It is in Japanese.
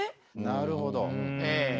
なるほど。